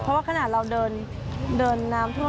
เพราะว่าขนาดเราเดินน้ำท่วม